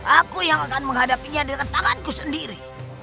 aku yang akan menghadapinya dengan tanganku sendiri